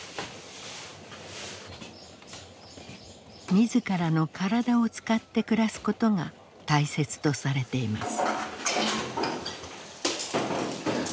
自らの体を使って暮らすことが大切とされています。